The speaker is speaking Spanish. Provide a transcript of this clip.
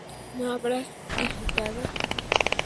No habrás visitado